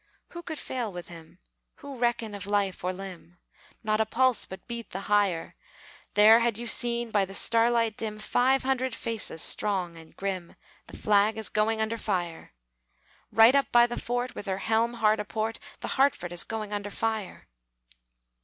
Who could fail with him? Who reckon of life or limb? Not a pulse but beat the higher! There had you seen, by the starlight dim, Five hundred faces strong and grim: The Flag is going under fire! Right up by the fort, With her helm hard aport, The Hartford is going under fire!